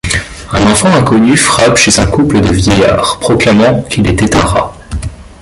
Un enfant inconnu frappe chez un couple de vieillards, proclamant qu'il était un rat.